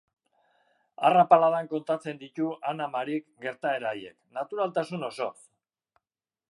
Arrapaladan kontatzen ditu Ana Marik gertaera haiek, naturaltasun osoz.